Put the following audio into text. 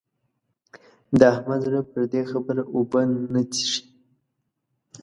د احمد زړه پر دې خبره اوبه نه څښي.